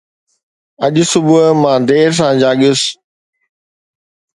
اڄ صبح مان دير سان جاڳيس